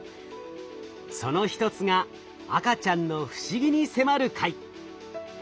その一つが赤ちゃんの不思議に迫る回。